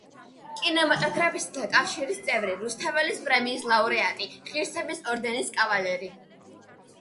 კინემატოგრაფისტთა კავშირის წევრი, რუსთაველის პრემიის ლაურეატი, ღირსების ორდენის კავალერი.